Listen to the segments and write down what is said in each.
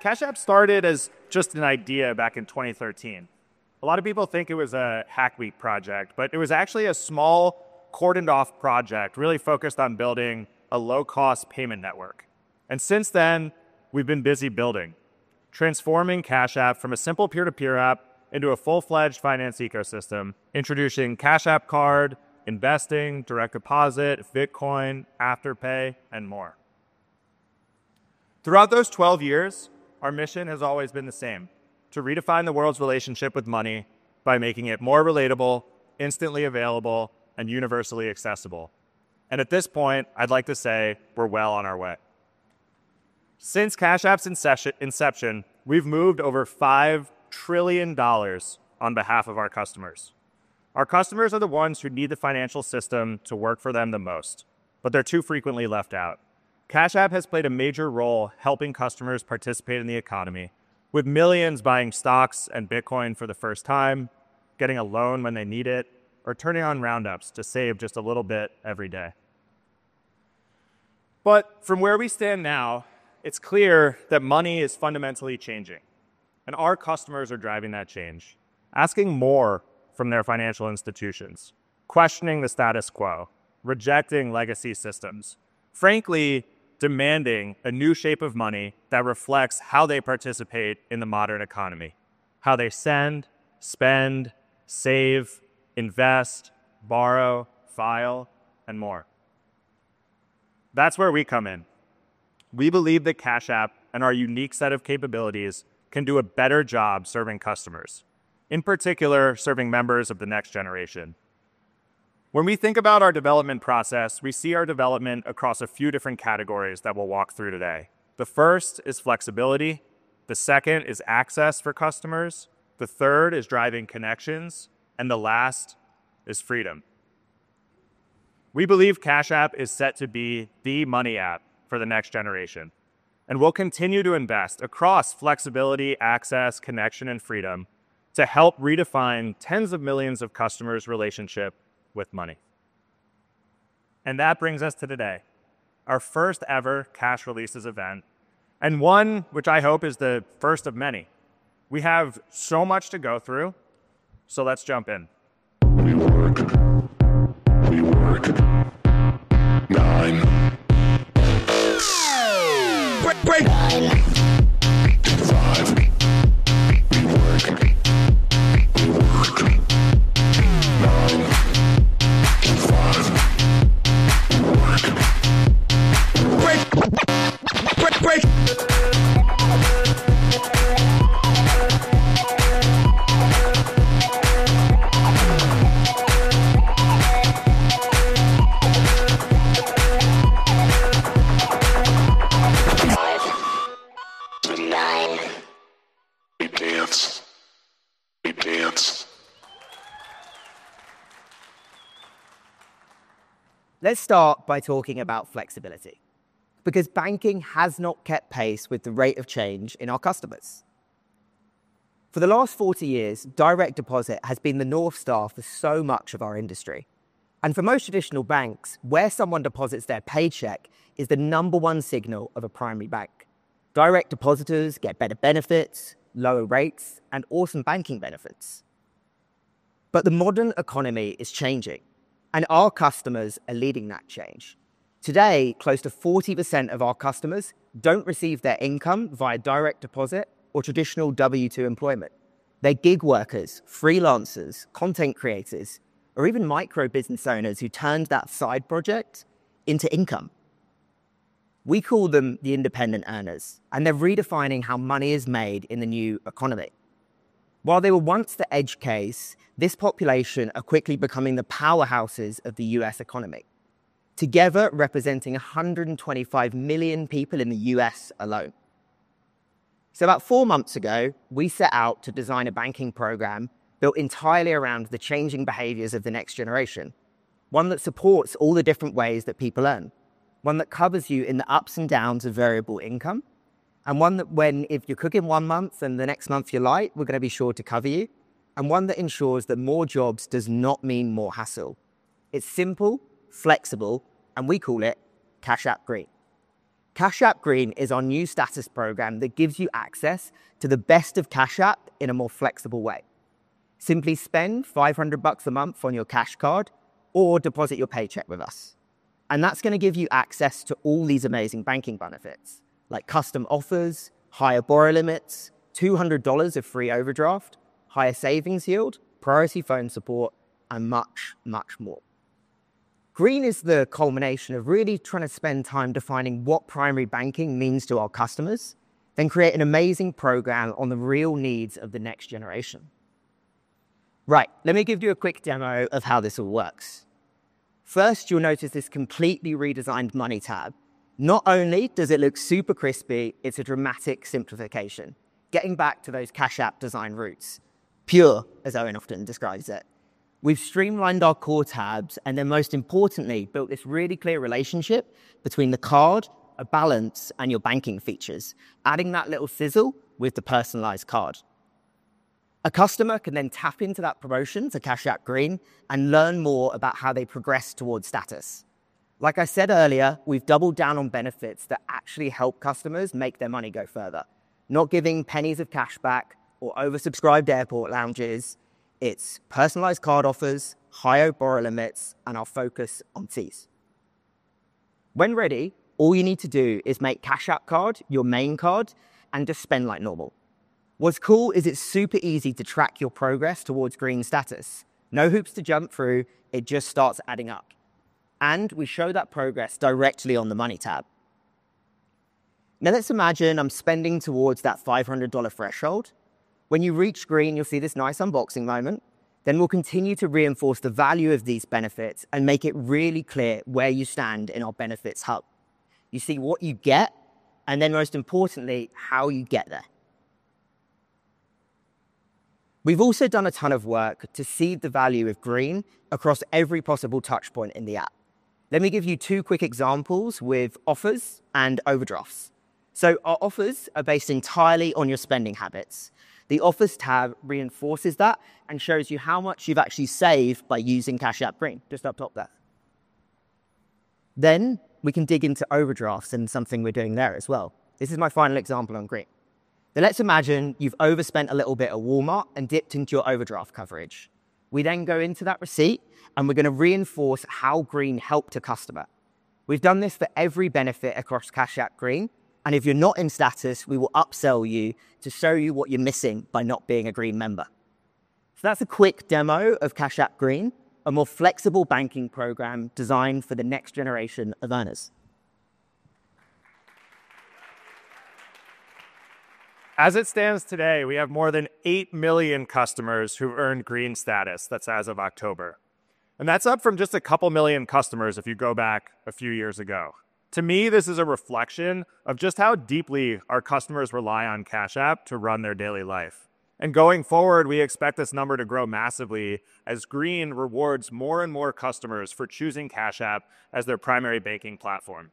Cash App started as just an idea back in 2013. A lot of people think it was a hack week project, but it was actually a small, cordoned-off project really focused on building a low-cost payment network. Since then, we've been busy building, transforming Cash App from a simple peer-to-peer app into a full-fledged finance ecosystem, introducing Cash App Card, investing, direct deposit, Bitcoin, Afterpay, and more. Throughout those 12 years, our mission has always been the same: to redefine the world's relationship with money by making it more relatable, instantly available, and universally accessible. At this point, I'd like to say we're well on our way. Since Cash App's inception, we've moved over $5 trillion on behalf of our customers. Our customers are the ones who need the financial system to work for them the most, but they're too frequently left out. Cash App has played a major role helping customers participate in the economy, with millions buying stocks and Bitcoin for the first time, getting a loan when they need it, or turning on roundups to save just a little bit every day. From where we stand now, it's clear that money is fundamentally changing, and our customers are driving that change, asking more from their financial institutions, questioning the status quo, rejecting legacy systems, frankly, demanding a new shape of money that reflects how they participate in the modern economy, how they send, spend, save, invest, borrow, file, and more. That's where we come in. We believe that Cash App and our unique set of capabilities can do a better job serving customers, in particular serving members of the next generation. When we think about our development process, we see our development across a few different categories that we'll walk through today. The first is flexibility. The second is access for customers. The third is driving connections. The last is freedom. We believe Cash App is set to be the money app for the next generation, and we'll continue to invest across flexibility, access, connection, and freedom to help redefine tens of millions of customers' relationship with money. That brings us to today, our first-ever Cash Releases event, one which I hope is the first of many. We have so much to go through, so let's jump in. We work. Nine. Five. We work nine five. We work. Five. Five. Nine. We dance. Let's start by talking about flexibility, because banking has not kept pace with the rate of change in our customers. For the last 40 years, direct deposit has been the North Star for so much of our industry. For most traditional banks, where someone deposits their paycheck is the number one signal of a primary bank. Direct depositors get better benefits, lower rates, and awesome banking benefits. The modern economy is changing, and our customers are leading that change. Today, close to 40% of our customers don't receive their income via direct deposit or traditional W-2 employment. They're gig workers, freelancers, content creators, or even micro-business owners who turned that side project into income. We call them the independent earners, and they're redefining how money is made in the new economy. While they were once the edge case, this population are quickly becoming the powerhouses of the U.S. economy, together representing 125 million people in the U.S. alone. About four months ago, we set out to design a banking program built entirely around the changing behaviors of the next generation, one that supports all the different ways that people earn, one that covers you in the ups and downs of variable income, and one that when, if you're cooking one month and the next month you're light, we're going to be sure to cover you, and one that ensures that more jobs does not mean more hassle. It's simple, flexible, and we call it Cash App Green. Cash App Green is our new status program that gives you access to the best of Cash App in a more flexible way. Simply spend $500 a month on your Cash App Card or deposit your paycheck with us. That's going to give you access to all these amazing banking benefits, like custom offers, higher Borrow limits, $200 of free overdraft, higher savings yield, priority phone support, and much, much more. Green is the culmination of really trying to spend time defining what primary banking means to our customers, then create an amazing program on the real needs of the next generation. Right, let me give you a quick demo of how this all works. First, you'll notice this completely redesigned Money tab. Not only does it look super crispy, it's a dramatic simplification. Getting back to those Cash App design roots, pure, as Owen often describes it. We've streamlined our core tabs, and then most importantly, built this really clear relationship between the card, a balance, and your banking features, adding that little sizzle with the personalized card. A customer can then tap into that promotion to Cash App Green and learn more about how they progress towards status. Like I said earlier, we've doubled down on benefits that actually help customers make their money go further, not giving pennies of cash back or oversubscribed airport lounges. It's personalized card offers, higher borrow limits, and our focus on fees. When ready, all you need to do is make Cash App Card your main card and just spend like normal. What's cool is it's super easy to track your progress towards green status. No hoops to jump through. It just starts adding up. We show that progress directly on the money tab. Now let's imagine I'm spending towards that $500 threshold. When you reach green, you'll see this nice unboxing moment. We will continue to reinforce the value of these benefits and make it really clear where you stand in our benefits hub. You see what you get, and most importantly, how you get there. We've also done a ton of work to seed the value of green across every possible touchpoint in the app. Let me give you two quick examples with offers and overdrafts. Our offers are based entirely on your spending habits. The offers tab reinforces that and shows you how much you've actually saved by using Cash App Green, just up top there. We can dig into overdrafts and something we're doing there as well. This is my final example on green. Now let's imagine you've overspent a little bit at Walmart and dipped into your overdraft coverage. We then go into that receipt, and we're going to reinforce how Green helped a customer. We've done this for every benefit across Cash App Green. If you're not in status, we will upsell you to show you what you're missing by not being a Green member. That's a quick demo of Cash App Green, a more flexible banking program designed for the next generation of earners. As it stands today, we have more than 8 million customers who've earned green status. That's as of October. That's up from just a couple million customers if you go back a few years ago. To me, this is a reflection of just how deeply our customers rely on Cash App to run their daily life. Going forward, we expect this number to grow massively as green rewards more and more customers for choosing Cash App as their primary banking platform.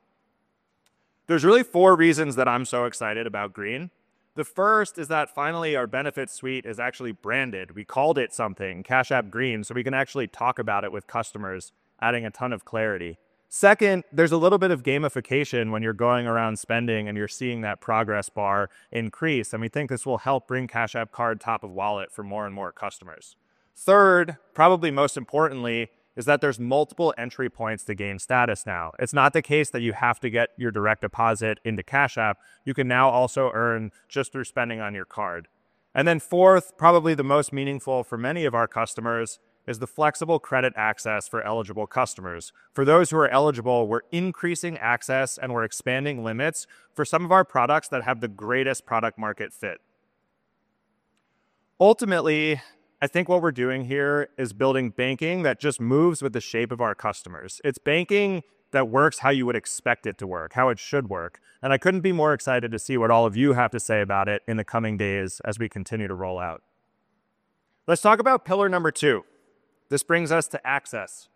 There are really four reasons that I'm so excited about green. The first is that finally our benefits suite is actually branded. We called it something, Cash App Green, so we can actually talk about it with customers, adding a ton of clarity. Second, there's a little bit of gamification when you're going around spending and you're seeing that progress bar increase. We think this will help bring Cash App Card top of wallet for more and more customers. Third, probably most importantly, is that there's multiple entry points to gain status now. It's not the case that you have to get your direct deposit into Cash App. You can now also earn just through spending on your card. Fourth, probably the most meaningful for many of our customers, is the flexible credit access for eligible customers. For those who are eligible, we're increasing access and we're expanding limits for some of our products that have the greatest product-market fit. Ultimately, I think what we're doing here is building banking that just moves with the shape of our customers. It's banking that works how you would expect it to work, how it should work. I couldn't be more excited to see what all of you have to say about it in the coming days as we continue to roll out. Let's talk about pillar number two. This brings us to access.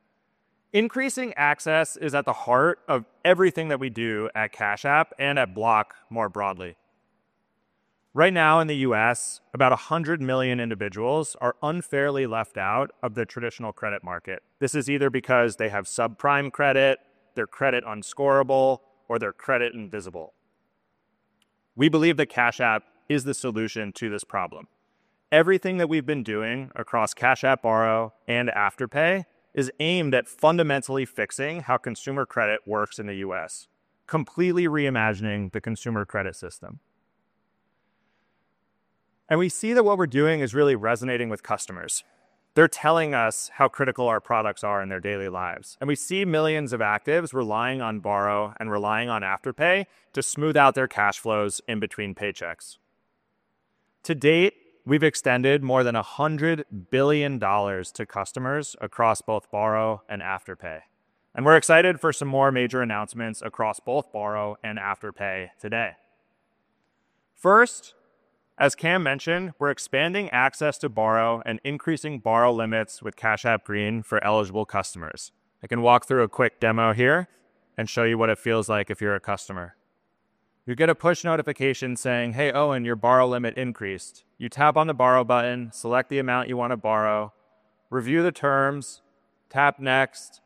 Increasing access is at the heart of everything that we do at Cash App and at Block more broadly. Right now in the U.S., about 100 million individuals are unfairly left out of the traditional credit market. This is either because they have subprime credit, their credit is unscorable, or their credit is invisible. We believe that Cash App is the solution to this problem. Everything that we've been doing across Cash App Borrow and Afterpay is aimed at fundamentally fixing how consumer credit works in the U.S., completely reimagining the consumer credit system. We see that what we're doing is really resonating with customers. They're telling us how critical our products are in their daily lives. We see millions of actives relying on Borrow and relying on Afterpay to smooth out their cash flows in between paychecks. To date, we've extended more than $100 billion to customers across both Borrow and Afterpay. We're excited for some more major announcements across both Borrow and Afterpay today. First, as Cam mentioned, we're expanding access to Borrow and increasing borrow limits with Cash App Green for eligible customers. I can walk through a quick demo here and show you what it feels like if you're a customer. You get a push notification saying, "Hey, Owen, your borrow limit increased." You tap on the Borrow button, select the amount you want to borrow, review the terms, tap Next,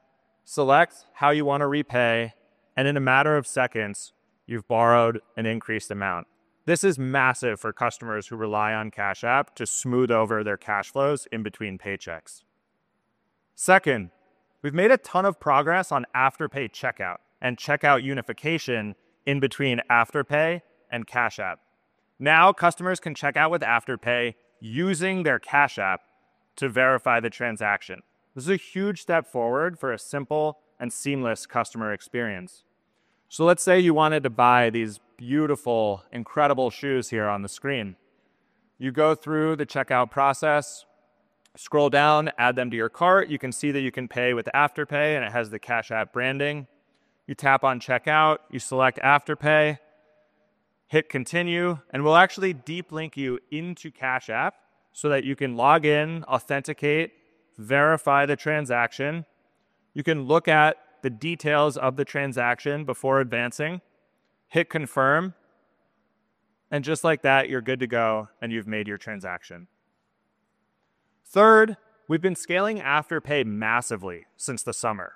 select how you want to repay, and in a matter of seconds, you've borrowed an increased amount. This is massive for customers who rely on Cash App to smooth over their cash flows in between paychecks. Second, we've made a ton of progress on Afterpay checkout and checkout unification in between Afterpay and Cash App. Now customers can check out with Afterpay using their Cash App to verify the transaction. This is a huge step forward for a simple and seamless customer experience. Let's say you wanted to buy these beautiful, incredible shoes here on the screen. You go through the checkout process, scroll down, add them to your cart. You can see that you can pay with Afterpay, and it has the Cash App branding. You tap on Checkout, you select Afterpay, hit Continue, and we'll actually deep link you into Cash App so that you can log in, authenticate, verify the transaction. You can look at the details of the transaction before advancing, hit Confirm. Just like that, you're good to go, and you've made your transaction. Third, we've been scaling Afterpay massively since the summer.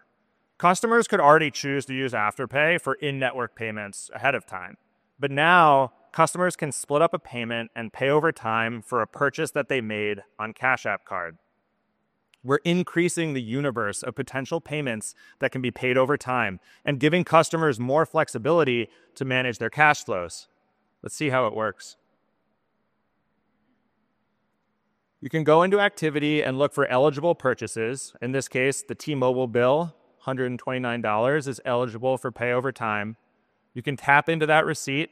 Customers could already choose to use Afterpay for in-network payments ahead of time. Now customers can split up a payment and pay over time for a purchase that they made on Cash App Card. We're increasing the universe of potential payments that can be paid over time and giving customers more flexibility to manage their cash flows. Let's see how it works. You can go into Activity and look for eligible purchases. In this case, the T-Mobile bill, $129 is eligible for pay over time. You can tap into that receipt,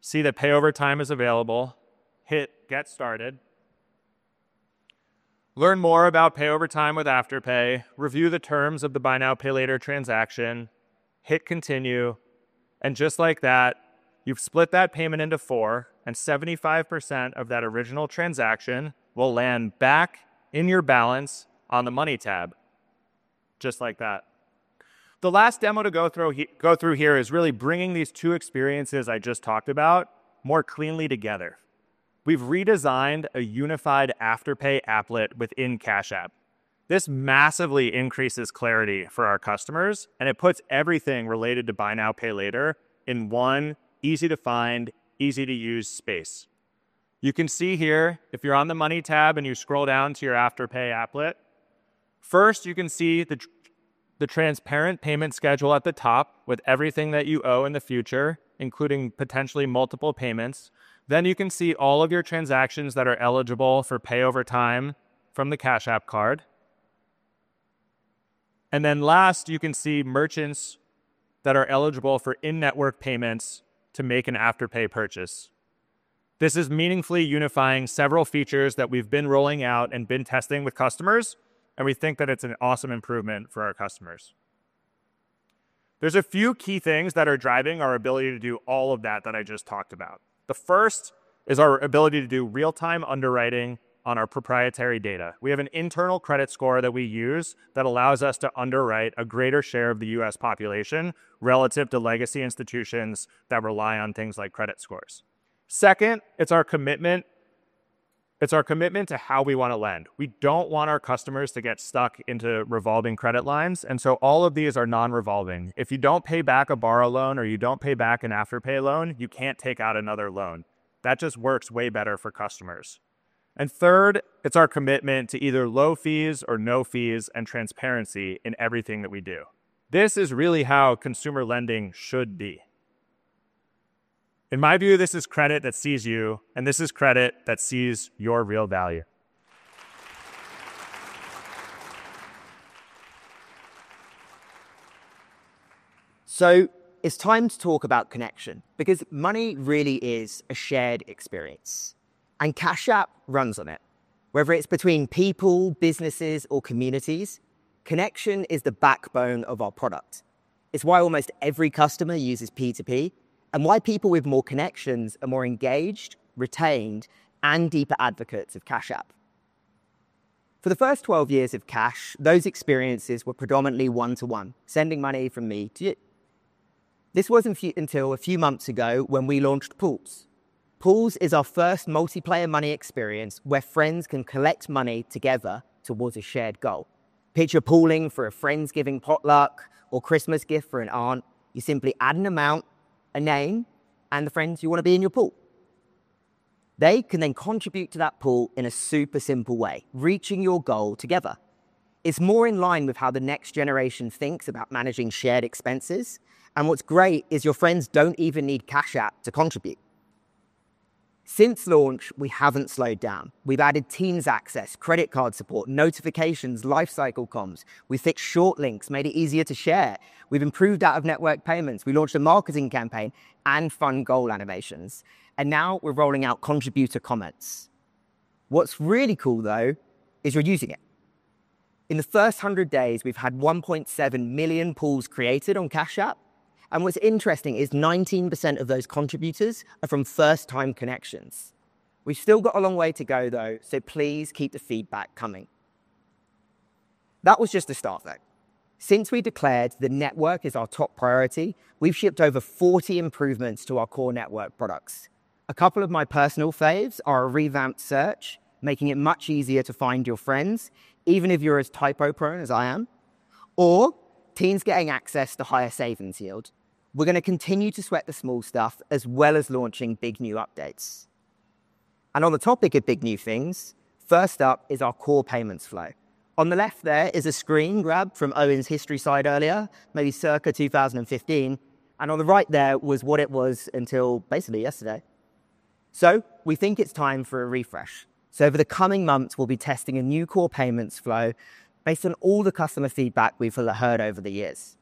see that pay over time is available, hit Get Started. Learn more about pay over time with Afterpay, review the terms of the Buy Now, Pay Later transaction, hit Continue. Just like that, you've split that payment into four, and 75% of that original transaction will land back in your balance on the money tab, just like that. The last demo to go through here is really bringing these two experiences I just talked about more cleanly together. We've redesigned a unified Afterpay applet within Cash App. This massively increases clarity for our customers, and it puts everything related to Buy Now, Pay Later in one easy-to-find, easy-to-use space. You can see here, if you're on the money tab and you scroll down to your Afterpay applet, first, you can see the transparent payment schedule at the top with everything that you owe in the future, including potentially multiple payments. You can see all of your transactions that are eligible for pay over time from the Cash App Card. Last, you can see merchants that are eligible for in-network payments to make an Afterpay purchase. This is meaningfully unifying several features that we've been rolling out and been testing with customers, and we think that it's an awesome improvement for our customers. There are a few key things that are driving our ability to do all of that that I just talked about. The first is our ability to do real-time underwriting on our proprietary data. We have an internal credit score that we use that allows us to underwrite a greater share of the U.S. population relative to legacy institutions that rely on things like credit scores. Second, it's our commitment to how we want to lend. We don't want our customers to get stuck into revolving credit lines. All of these are non-revolving. If you don't pay back a Borrow loan or you don't pay back an Afterpay loan, you can't take out another loan. That just works way better for customers. Third, it's our commitment to either low fees or no fees and transparency in everything that we do. This is really how consumer lending should be. In my view, this is credit that sees you, and this is credit that sees your real value. It's time to talk about connection because money really is a shared experience, and Cash App runs on it. Whether it's between people, businesses, or communities, connection is the backbone of our product. It's why almost every customer uses P2P and why people with more connections are more engaged, retained, and deeper advocates of Cash App. For the first 12 years of Cash, those experiences were predominantly one-to-one, sending money from me to you. This wasn't until a few months ago when we launched Pools. Pools is our first multiplayer money experience where friends can collect money together towards a shared goal. Picture pooling for a friend's giving potluck or Christmas gift for an aunt. You simply add an amount, a name, and the friends you want to be in your pool. They can then contribute to that pool in a super simple way, reaching your goal together. It's more in line with how the next generation thinks about managing shared expenses. What's great is your friends don't even need Cash App to contribute. Since launch, we haven't slowed down. We've added Teams access, credit card support, notifications, lifecycle comms. We fixed short links, made it easier to share. We've improved out-of-network payments. We launched a marketing campaign and fun goal animations. Now we're rolling out contributor comments. What's really cool, though, is you're using it. In the first 100 days, we've had 1.7 million pools created on Cash App. What's interesting is 19% of those contributors are from first-time connections. We've still got a long way to go, though, so please keep the feedback coming. That was just the start, though. Since we declared the network is our top priority, we've shipped over 40 improvements to our core network products. A couple of my personal faves are a revamped search, making it much easier to find your friends, even if you're as typo-prone as I am, or teens getting access to higher savings yield. We're going to continue to sweat the small stuff as well as launching big new updates. On the topic of big new things, first up is our core payments flow. On the left there is a screen grab from Owen's history site earlier, maybe circa 2015. On the right there was what it was until basically yesterday. We think it's time for a refresh. Over the coming months, we'll be testing a new core payments flow based on all the customer feedback we've heard over the years.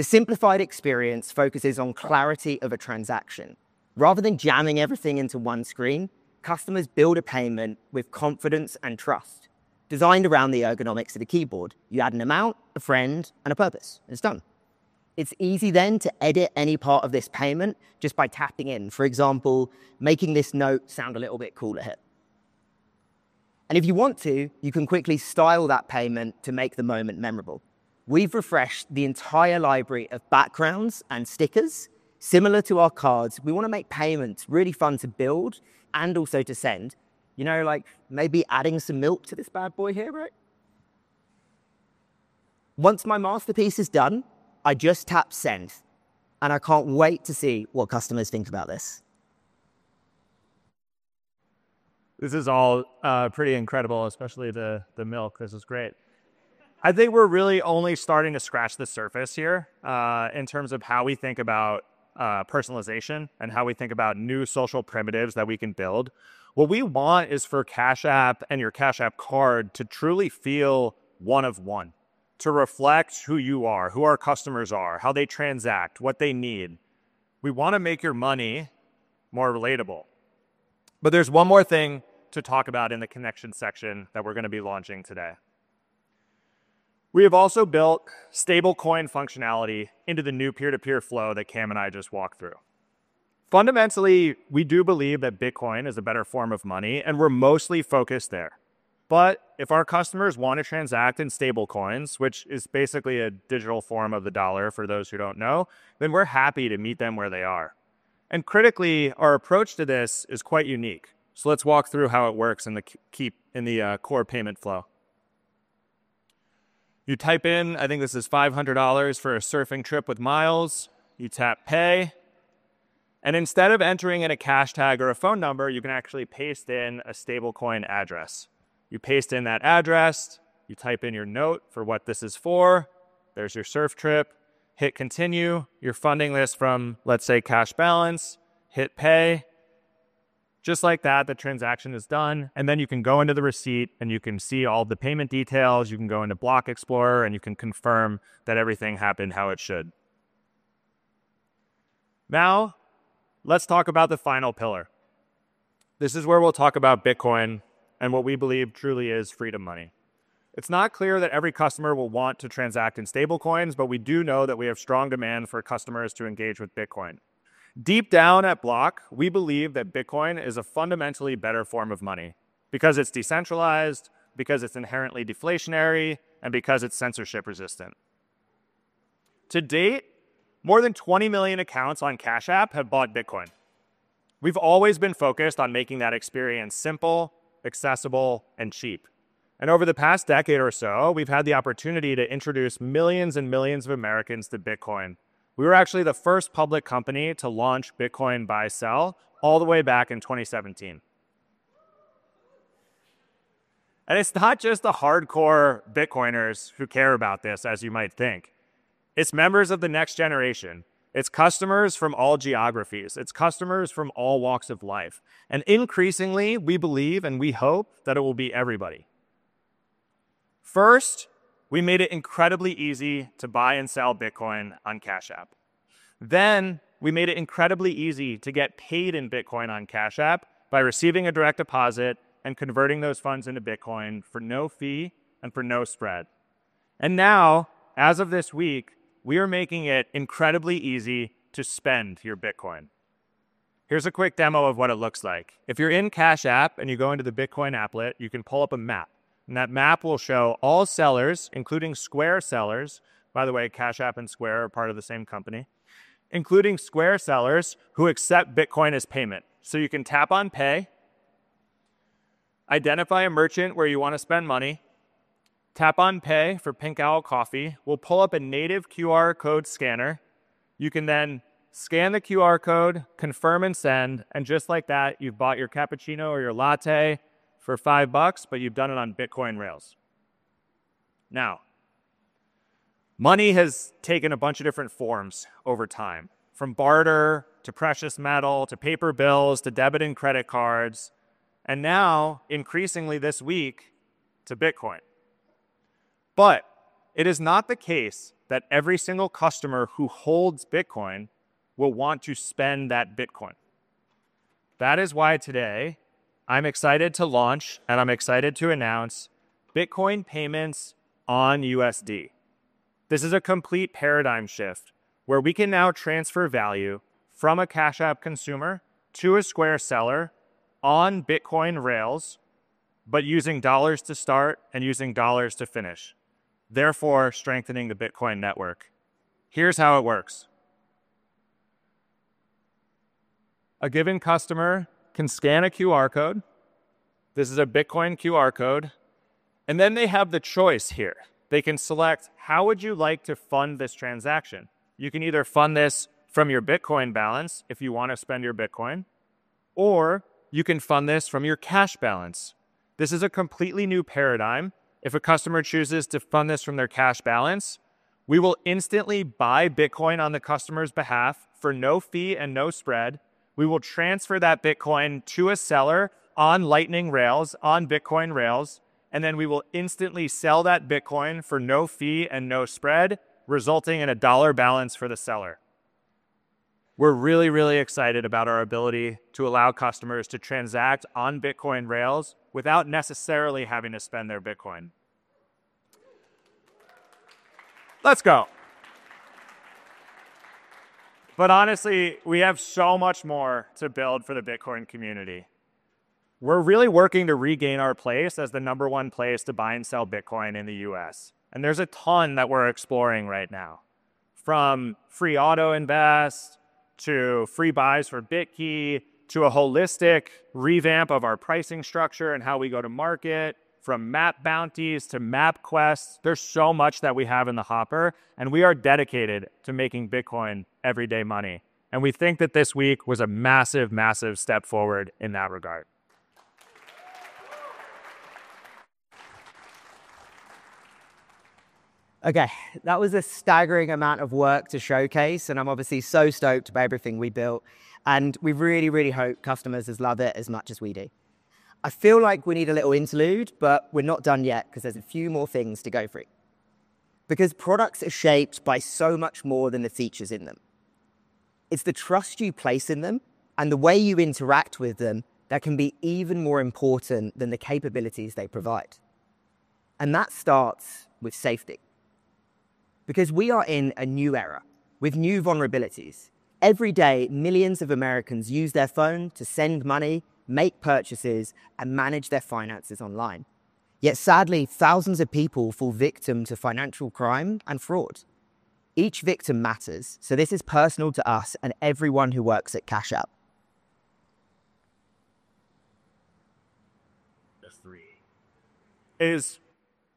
The simplified experience focuses on clarity of a transaction. Rather than jamming everything into one screen, customers build a payment with confidence and trust designed around the ergonomics of the keyboard. You add an amount, a friend, and a purpose, and it's done. It's easy then to edit any part of this payment just by tapping in, for example, making this note sound a little bit cooler here. If you want to, you can quickly style that payment to make the moment memorable. We've refreshed the entire library of backgrounds and stickers. Similar to our cards, we want to make payments really fun to build and also to send. You know, like maybe adding some milk to this bad boy here, right? Once my masterpiece is done, I just tap Send, and I can't wait to see what customers think about this. This is all pretty incredible, especially the milk. This is great. I think we're really only starting to scratch the surface here in terms of how we think about personalization and how we think about new social primitives that we can build. What we want is for Cash App and your Cash App Card to truly feel one of one, to reflect who you are, who our customers are, how they transact, what they need. We want to make your money more relatable. There is one more thing to talk about in the connection section that we're going to be launching today. We have also built stablecoin functionality into the new peer-to-peer flow that Cam and I just walked through. Fundamentally, we do believe that Bitcoin is a better form of money, and we're mostly focused there. If our customers want to transact in stablecoins, which is basically a digital form of the dollar for those who do not know, we are happy to meet them where they are. Critically, our approach to this is quite unique. Let us walk through how it works in the core payment flow. You type in, I think this is $500 for a surfing trip with Miles. You tap Pay. Instead of entering in a cashtag or a phone number, you can actually paste in a stablecoin address. You paste in that address. You type in your note for what this is for. There is your surf trip. Hit Continue. Your funding list from, let us say, Cash Balance. Hit Pay. Just like that, the transaction is done. You can go into the receipt, and you can see all the payment details. You can go into Block Explorer, and you can confirm that everything happened how it should. Now, let's talk about the final pillar. This is where we'll talk about Bitcoin and what we believe truly is freedom money. It's not clear that every customer will want to transact in stablecoins, but we do know that we have strong demand for customers to engage with Bitcoin. Deep down at Block, we believe that Bitcoin is a fundamentally better form of money because it's decentralized, because it's inherently deflationary, and because it's censorship resistant. To date, more than 20 million accounts on Cash App have bought Bitcoin. We've always been focused on making that experience simple, accessible, and cheap. Over the past decade or so, we've had the opportunity to introduce millions and millions of Americans to Bitcoin. We were actually the first public company to launch Bitcoin buy-sell all the way back in 2017. It's not just the hardcore Bitcoiners who care about this, as you might think. It's members of the next generation. It's customers from all geographies. It's customers from all walks of life. Increasingly, we believe and we hope that it will be everybody. First, we made it incredibly easy to buy and sell Bitcoin on Cash App. We made it incredibly easy to get paid in Bitcoin on Cash App by receiving a direct deposit and converting those funds into Bitcoin for no fee and for no spread. Now, as of this week, we are making it incredibly easy to spend your Bitcoin. Here's a quick demo of what it looks like. If you're in Cash App and you go into the Bitcoin applet, you can pull up a map. That map will show all sellers, including Square sellers—by the way, Cash App and Square are part of the same company—including Square sellers who accept Bitcoin as payment. You can tap on Pay, identify a merchant where you want to spend money, tap on Pay for Pink Owl Coffee. We'll pull up a native QR code scanner. You can then scan the QR code, confirm and send, and just like that, you've bought your cappuccino or your latte for $5, but you've done it on Bitcoin rails. Now, money has taken a bunch of different forms over time, from barter to precious metal to paper bills to debit and credit cards, and now, increasingly this week, to Bitcoin. It is not the case that every single customer who holds Bitcoin will want to spend that Bitcoin. That is why today I'm excited to launch and I'm excited to announce Bitcoin payments on USD. This is a complete paradigm shift where we can now transfer value from a Cash App consumer to a Square seller on Bitcoin rails, but using dollars to start and using dollars to finish, therefore strengthening the Bitcoin network. Here's how it works. A given customer can scan a QR code. This is a Bitcoin QR code. And then they have the choice here. They can select, how would you like to fund this transaction? You can either fund this from your Bitcoin balance if you want to spend your Bitcoin, or you can fund this from your cash balance. This is a completely new paradigm. If a customer chooses to fund this from their Cash balance, we will instantly buy Bitcoin on the customer's behalf for no fee and no spread. We will transfer that Bitcoin to a seller on Lightning rails, on Bitcoin rails, and then we will instantly sell that Bitcoin for no fee and no spread, resulting in a dollar balance for the seller. We are really, really excited about our ability to allow customers to transact on Bitcoin rails without necessarily having to spend their Bitcoin. Let's go. Honestly, we have so much more to build for the Bitcoin community. We are really working to regain our place as the number one place to buy and sell Bitcoin in the U.S. There is a ton that we are exploring right now, from free auto invest to free buys for Bitkey to a holistic revamp of our pricing structure and how we go to market, from map bounties to map quests. There is so much that we have in the hopper, and we are dedicated to making Bitcoin everyday money. We think that this week was a massive, massive step forward in that regard. Okay, that was a staggering amount of work to showcase, and I'm obviously so stoked by everything we built. We really, really hope customers love it as much as we do. I feel like we need a little interlude, but we're not done yet because there's a few more things to go through because products are shaped by so much more than the features in them. It's the trust you place in them and the way you interact with them that can be even more important than the capabilities they provide. That starts with safety because we are in a new era with new vulnerabilities. Every day, millions of Americans use their phone to send money, make purchases, and manage their finances online. Yet sadly, thousands of people fall victim to financial crime and fraud. Each victim matters. This is personal to us and everyone who works at Cash App. Just three. Is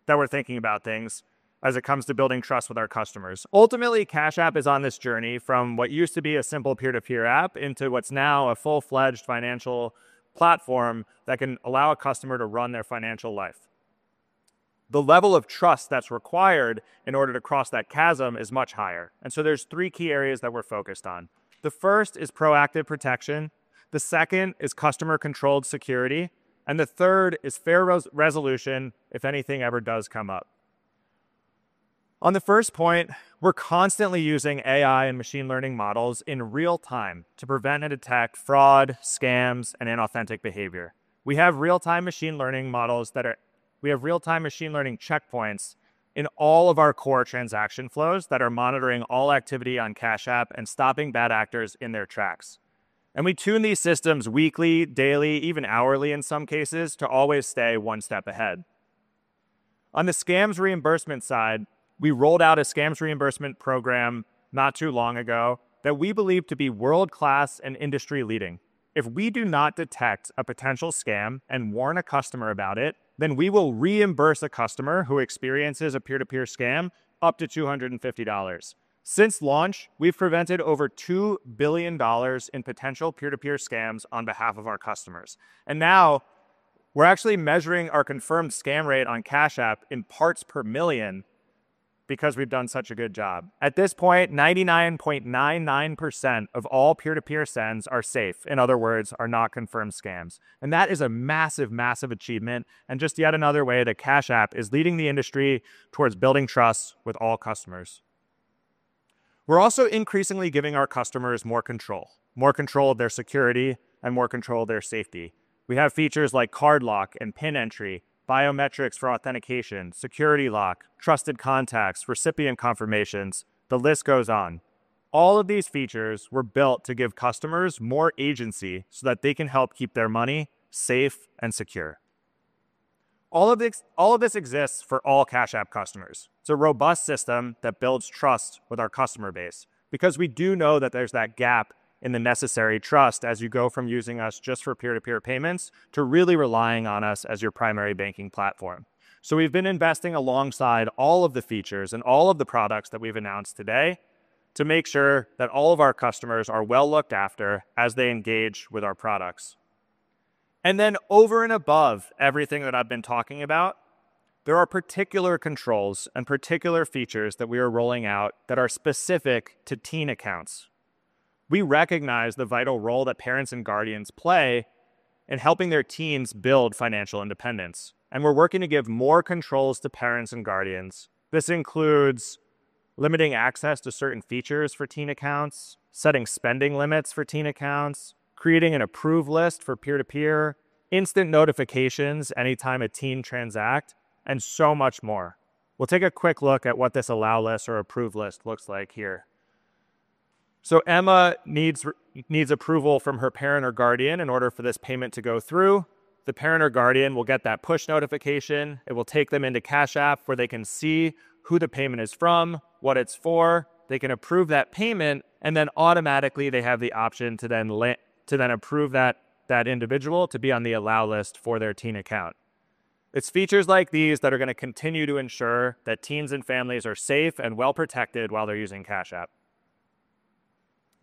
that we're thinking about things as it comes to building trust with our customers. Ultimately, Cash App is on this journey from what used to be a simple peer-to-peer app into what's now a full-fledged financial platform that can allow a customer to run their financial life. The level of trust that's required in order to cross that chasm is much higher. There are three key areas that we're focused on. The first is proactive protection. The second is customer-controlled security. The third is fair resolution if anything ever does come up. On the first point, we're constantly using AI and machine learning models in real time to prevent and detect fraud, scams, and inauthentic behavior. We have real-time machine learning models that are—we have real-time machine learning checkpoints in all of our core transaction flows that are monitoring all activity on Cash App and stopping bad actors in their tracks. We tune these systems weekly, daily, even hourly in some cases to always stay one step ahead. On the scams reimbursement side, we rolled out a scams reimbursement program not too long ago that we believe to be world-class and industry-leading. If we do not detect a potential scam and warn a customer about it, then we will reimburse a customer who experiences a peer-to-peer scam up to $250. Since launch, we've prevented over $2 billion in potential peer-to-peer scams on behalf of our customers. Now we're actually measuring our confirmed scam rate on Cash App in parts per million because we've done such a good job. At this point, 99.99% of all peer-to-peer sends are safe. In other words, are not confirmed scams. That is a massive, massive achievement. Just yet another way that Cash App is leading the industry towards building trust with all customers. We're also increasingly giving our customers more control, more control of their security, and more control of their safety. We have features like card lock and PIN entry, biometrics for authentication, security lock, trusted contacts, recipient confirmations. The list goes on. All of these features were built to give customers more agency so that they can help keep their money safe and secure. All of this exists for all Cash App customers. It's a robust system that builds trust with our customer base because we do know that there's that gap in the necessary trust as you go from using us just for peer-to-peer payments to really relying on us as your primary banking platform. We've been investing alongside all of the features and all of the products that we've announced today to make sure that all of our customers are well looked after as they engage with our products. Over and above everything that I've been talking about, there are particular controls and particular features that we are rolling out that are specific to teen accounts. We recognize the vital role that parents and guardians play in helping their teens build financial independence. We're working to give more controls to parents and guardians. This includes limiting access to certain features for teen accounts, setting spending limits for teen accounts, creating an approve list for peer-to-peer, instant notifications anytime a teen transacts, and so much more. We'll take a quick look at what this allow list or approve list looks like here. Emma needs approval from her parent or guardian in order for this payment to go through. The parent or guardian will get that push notification. It will take them into Cash App where they can see who the payment is from, what it's for. They can approve that payment, and then automatically they have the option to then approve that individual to be on the allow list for their teen account. It's features like these that are going to continue to ensure that teens and families are safe and well protected while they're using Cash App.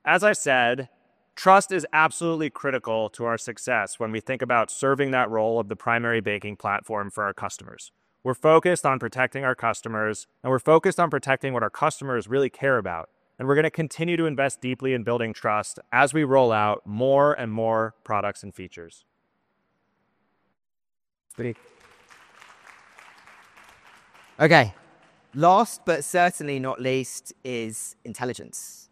As I said, trust is absolutely critical to our success when we think about serving that role of the primary banking platform for our customers. We're focused on protecting our customers, and we're focused on protecting what our customers really care about. We're going to continue to invest deeply in building trust as we roll out more and more products and features. Okay. Last but certainly not least is intelligence.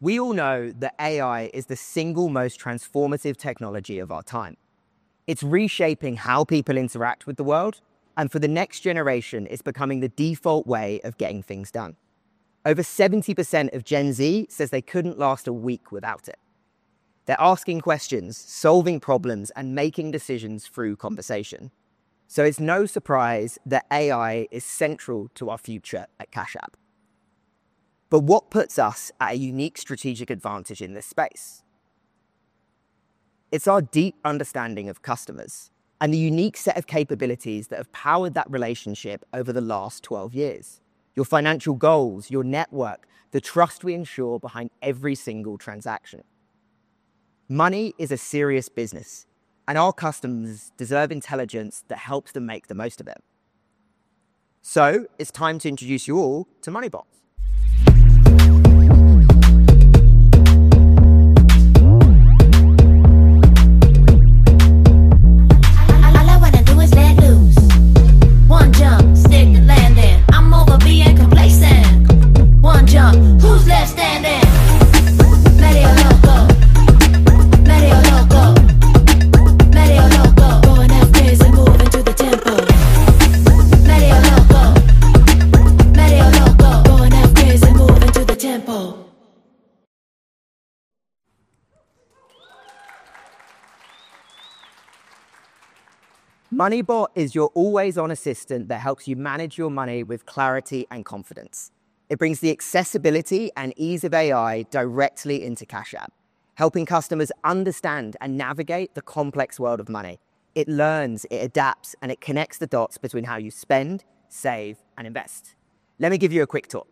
We all know that AI is the single most transformative technology of our time. It's reshaping how people interact with the world, and for the next generation, it's becoming the default way of getting things done. Over 70% of Gen Z says they couldn't last a week without it. They're asking questions, solving problems, and making decisions through conversation. It is no surprise that AI is central to our future at Cash App. What puts us at a unique strategic advantage in this space? It is our deep understanding of customers and the unique set of capabilities that have powered that relationship over the last 12 years: your financial goals, your network, the trust we ensure behind every single transaction. Money is a serious business, and our customers deserve intelligence that helps them make the most of it. It's time to introduce you all to Moneybot. I like when they do it, let loose. One jump, stick landing. I'm over being complacent. One jump, who's left standing? Meteor Loco. Meteor Loco. Meteor Loco. Going up crazy, moving to the tempo. Meteor Loco. Meteor Loco. Going up crazy, moving to the tempo. Moneybot is your always-on assistant that helps you manage your money with clarity and confidence. It brings the accessibility and ease of AI directly into Cash App, helping customers understand and navigate the complex world of money. It learns, it adapts, and it connects the dots between how you spend, save, and invest. Let me give you a quick tour.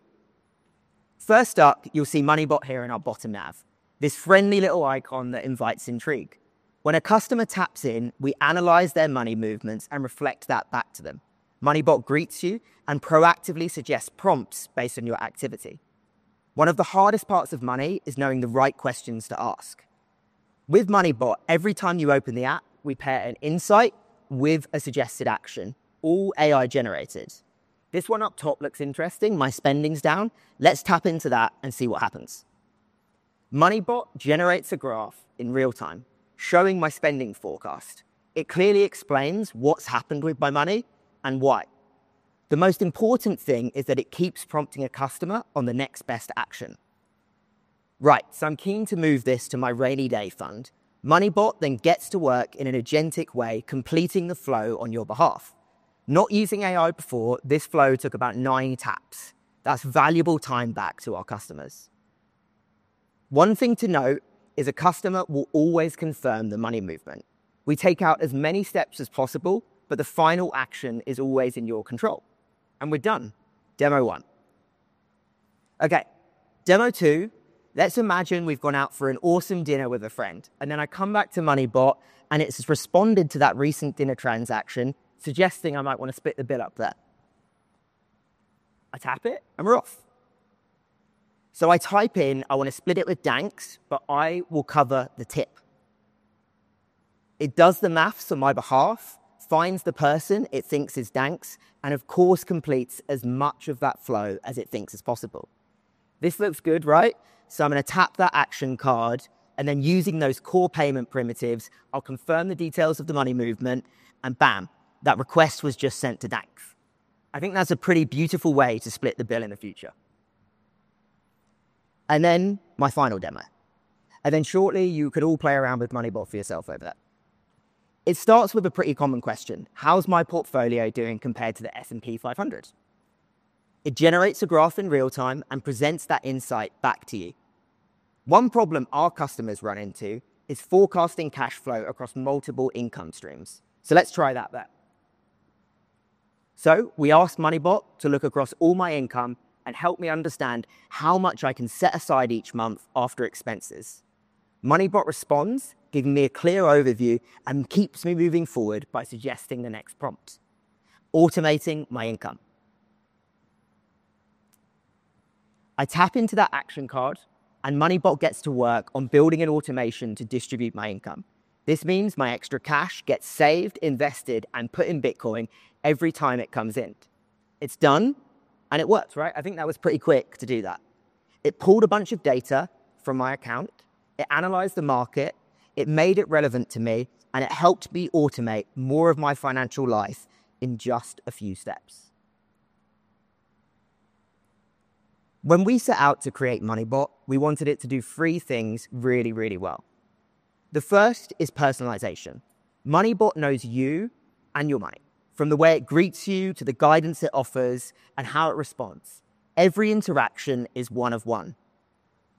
First up, you'll see Moneybot here in our bottom nav, this friendly little icon that invites intrigue. When a customer taps in, we analyze their money movements and reflect that back to them. Moneybot greets you and proactively suggests prompts based on your activity. One of the hardest parts of money is knowing the right questions to ask. With Moneybot, every time you open the app, we pair an insight with a suggested action, all AI-generated. This one up top looks interesting. My spending's down. Let's tap into that and see what happens. Moneybot generates a graph in real time showing my spending forecast. It clearly explains what's happened with my money and why. The most important thing is that it keeps prompting a customer on the next best action. Right, so I'm keen to move this to my rainy day fund. Moneybot then gets to work in an agentic way, completing the flow on your behalf. Not using AI before, this flow took about nine taps. That's valuable time back to our customers. One thing to note is a customer will always confirm the money movement. We take out as many steps as possible, but the final action is always in your control. We're done. Demo one. Okay. Demo two, let's imagine we've gone out for an awesome dinner with a friend, and then I come back to Moneybot and it's responded to that recent dinner transaction suggesting I might want to split the bill up there. I tap it and we're off. I type in, I want to split it with Danks, but I will cover the tip. It does the math on my behalf, finds the person it thinks is Danks, and of course completes as much of that flow as it thinks is possible. This looks good, right? I'm going to tap that action card and then using those core payment primitives, I'll confirm the details of the money movement and bam, that request was just sent to Danks. I think that's a pretty beautiful way to split the bill in the future. Then my final demo. You could all play around with Moneybot for yourself over there shortly. It starts with a pretty common question. How's my portfolio doing compared to the S&P 500? It generates a graph in real time and presents that insight back to you. One problem our customers run into is forecasting cash flow across multiple income streams. Let's try that there. We asked Moneybot to look across all my income and help me understand how much I can set aside each month after expenses. Moneybot responds, giving me a clear overview and keeps me moving forward by suggesting the next prompt, automating my income. I tap into that action card and Moneybot gets to work on building an automation to distribute my income. This means my extra cash gets saved, invested, and put in Bitcoin every time it comes in. It's done and it works, right? I think that was pretty quick to do that. It pulled a bunch of data from my account. It analyzed the market. It made it relevant to me and it helped me automate more of my financial life in just a few steps. When we set out to create Moneybot, we wanted it to do three things really, really well. The first is personalization. Moneybot knows you and your money from the way it greets you to the guidance it offers and how it responds. Every interaction is one of one.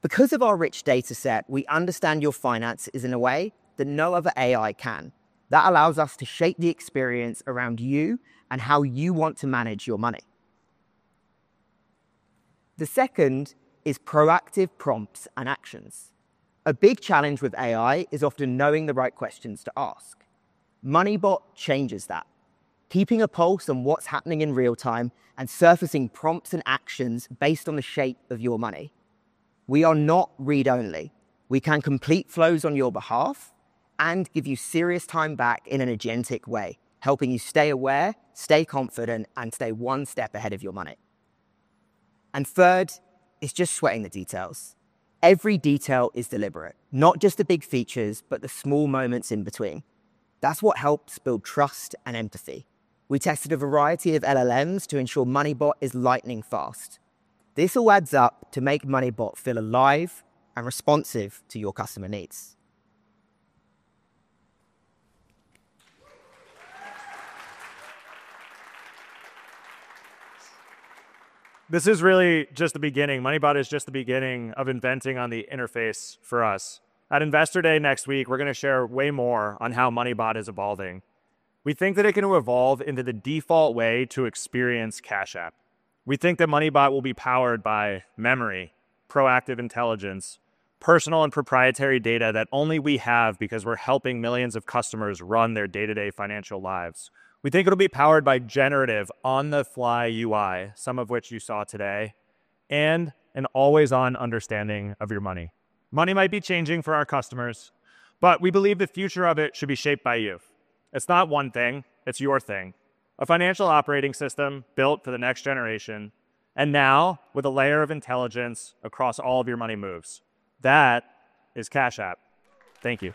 Because of our rich data set, we understand your finances in a way that no other AI can. That allows us to shape the experience around you and how you want to manage your money. The second is proactive prompts and actions. A big challenge with AI is often knowing the right questions to ask. Moneybot changes that. Keeping a pulse on what's happening in real time and surfacing prompts and actions based on the shape of your money. We are not read-only. We can complete flows on your behalf and give you serious time back in an agentic way, helping you stay aware, stay confident, and stay one step ahead of your money. Third, it's just sweating the details. Every detail is deliberate, not just the big features, but the small moments in between. That's what helps build trust and empathy. We tested a variety of LLMs to ensure Moneybot is lightning fast. This all adds up to make Moneybot feel alive and responsive to your customer needs. This is really just the beginning. Moneybot is just the beginning of inventing on the interface for us. At Investor Day next week, we're going to share way more on how Moneybot is evolving. We think that it can evolve into the default way to experience Cash App. We think that Moneybot will be powered by memory, proactive intelligence, personal and proprietary data that only we have because we're helping millions of customers run their day-to-day financial lives. We think it'll be powered by generative on-the-fly UI, some of which you saw today, and an always-on understanding of your money. Money might be changing for our customers, but we believe the future of it should be shaped by you. It's not one thing, it's your thing. A financial operating system built for the next generation, and now with a layer of intelligence across all of your money moves. That is Cash App. Thank you.